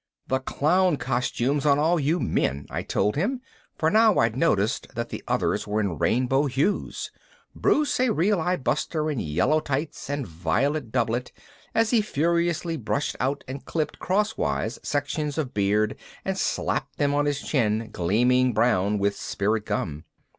"The clown costumes on all you men," I told him, for now I'd noticed that the others were in rainbow hues, Bruce a real eye buster in yellow tights and violet doublet as he furiously bushed out and clipped crosswise sections of beard and slapped them on his chin gleaming brown with spirit gum.